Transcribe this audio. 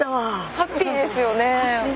ハッピーですよね！